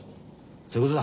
そういうことだ。